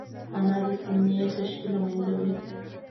انار د سينې خشکي له منځه وړي.